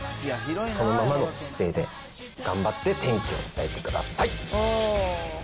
そのままの姿勢で頑張って天気を伝えてください。